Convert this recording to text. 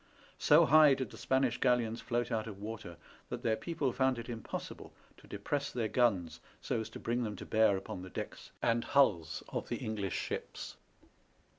So high did the Spanish galleons float out of water that their people found it impossible to depress their guns so as to bring them to bear upon the decks and hulls of the English ships.